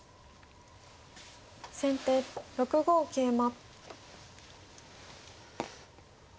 先手６五桂馬。